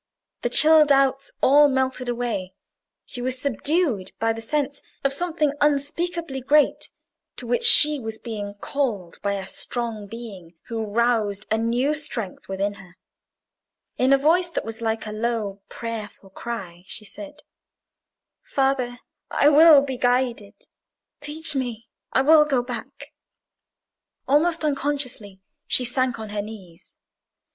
The chill doubts all melted away; she was subdued by the sense of something unspeakably great to which she was being called by a strong being who roused a new strength within herself. In a voice that was like a low, prayerful cry, she said— "Father, I will be guided. Teach me! I will go back." Almost unconsciously she sank on her knees.